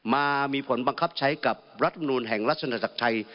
มามีผลบังคับใช้กับรัฐมนูลแห่งราชนาจักรไทย